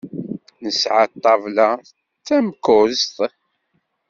Nesɛa ṭṭabla d tamkuẓt.